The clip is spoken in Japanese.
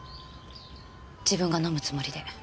自分が飲むつもりで。